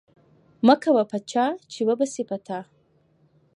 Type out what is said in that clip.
مکوه په چاه چې و به سي په تا.